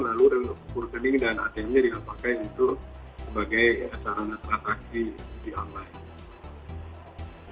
lalu dengan ukur rekening dan atm nya dilapakai untuk sebagai ataran transaksi judi online